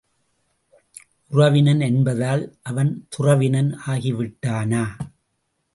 உறவினன் என்பதால் அவன் துறவினன் ஆகிவிட்டானா?